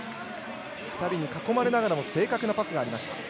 ２人に囲まれながらも正確なパスがありました。